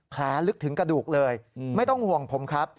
ลึกถึงกระดูกเลยไม่ต้องห่วงผมครับ